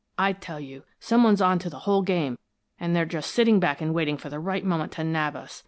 I tell you, some one's on to the whole game, and they're just sitting back and waiting for the right moment to nab us.